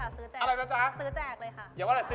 ซื้อแจกเลยค่ะซื้อแจกเลยค่ะมีเวลาอยู่